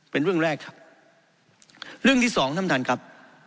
เป็นเรื่องแรกครับเรื่องที่สองท่านท่านครับ